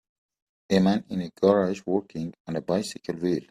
A man in a garage working on a bicycle wheel